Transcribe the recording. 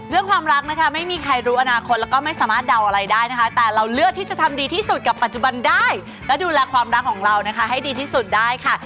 ความรักนะคะไม่มีใครรู้อนาคตแล้วก็ไม่สามารถเดาอะไรได้นะคะแต่เราเลือกที่จะทำดีที่สุดกับปัจจุบันได้และดูแลความรักของเรานะคะให้ดีที่สุดได้ค่ะ